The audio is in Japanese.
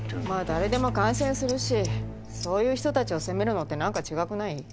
まあ誰でも感染するしそういう人たちを責めるのってなんか違くない？